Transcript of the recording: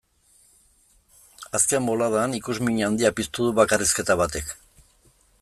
Azken boladan ikusmin handia piztu du bakarrizketa batek.